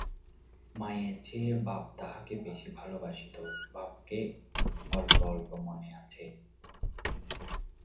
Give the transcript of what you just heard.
মায়ের চেয়ে বাপ তাহাকে বেশি ভালোবাসিত, বাপকে অল্প অল্প মনে আছে।